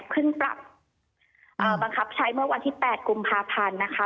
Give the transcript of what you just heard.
ขึ้นปรับบังคับใช้เมื่อวันที่๘กุมภาพันธ์นะคะ